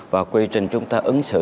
và quy trình chúng ta ứng xử